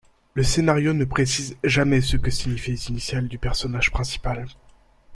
Le scénario ne précise jamais ce que signifient les initiales du personnage principal.